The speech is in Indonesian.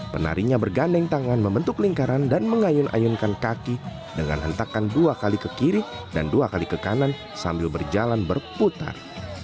penarinya bergandeng tangan membentuk lingkaran dan mengayun ayunkan kaki dengan hentakan dua kali ke kiri dan dua kali ke kanan sambil berjalan berputar